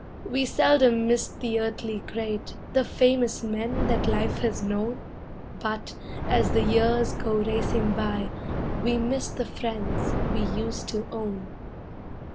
We seldom miss the earthly great the famous men that life has known But, as the years go racing by, we miss the friends we used to own.